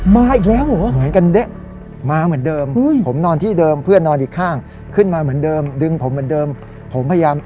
มาอีกแล้วเหรอเหมือนกันเด๊ะมาเหมือนเดิมผมนอนที่เดิมเพื่อนนอนอีกข้างขึ้นมาเหมือนเดิมดึงผมเหมือนเดิมผมพยายาม